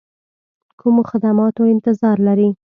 کومو خدماتو انتظار لري.